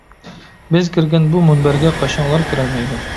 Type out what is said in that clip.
بىز كىرگەن بۇ مۇنبەرگە، قاشاڭلار كىرەلمەيدۇ.